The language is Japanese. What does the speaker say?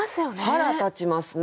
腹立ちますね。